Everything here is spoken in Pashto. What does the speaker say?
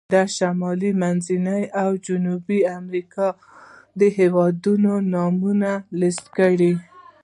د شمالي، منځني او جنوبي امریکا د هېوادونو نومونه لیست کړئ.